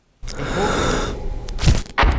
¡Ehóke!